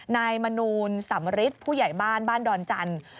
นายมนูลสำริทผู้ใหญ่บ้านบ้านดอนจันทร์